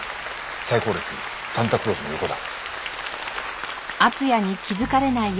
最後列サンタクロースの横だ。